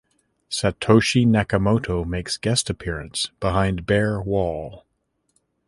Satoshi Nakamoto makes guest appearance behind Bear Wall.